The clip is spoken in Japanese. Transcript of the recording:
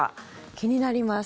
気になります。